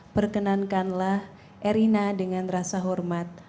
perkenankanlah erina dengan rasa hormat